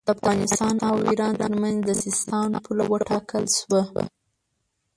د افغانستان او ایران ترمنځ د سیستان پوله وټاکل شوه.